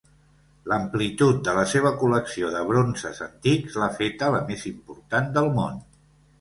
L'amplitud de la seva col·lecció de bronzes antics l'ha feta la més important del món.